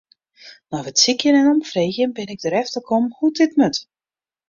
Nei wat sykjen en omfreegjen bin ik derefter kommen hoe't dit moat.